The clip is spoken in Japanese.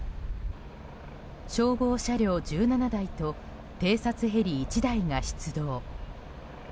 消防車両１７台と偵察ヘリ１台が出動。